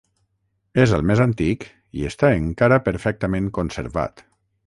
És el més antic i està encara perfectament conservat.